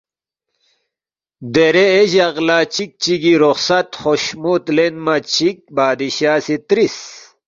دیرے اے جق لہ چِک چگی رخصت خوشمُوت لینما چِک بادشاہ سی ترِس،